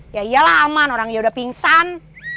ya iyalah aman orangnya udah pingsan